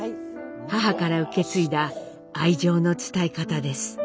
母から受け継いだ愛情の伝え方です。